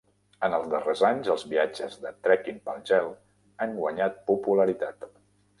En els darrers anys, els viatges de trekking pel gel han guanyat popularitat.